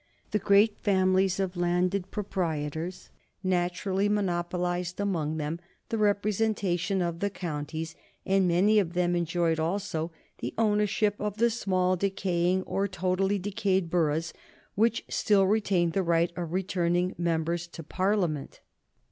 The great families of landed proprietors naturally monopolized among them the representation of the counties, and many of them enjoyed also the ownership of the small decaying or totally decayed boroughs which still retained the right of returning members to Parliament.